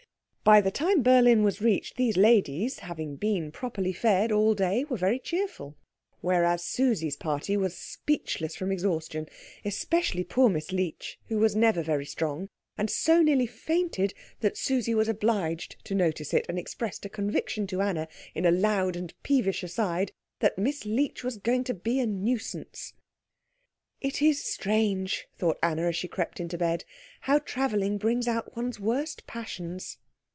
By the time Berlin was reached, these ladies, having been properly fed all day, were very cheerful, whereas Susie's party was speechless from exhaustion; especially poor Miss Leech, who was never very strong, and so nearly fainted that Susie was obliged to notice it, and expressed a conviction to Anna in a loud and peevish aside that Miss Leech was going to be a nuisance. "It is strange," thought Anna, as she crept into bed, "how travelling brings out one's worst passions."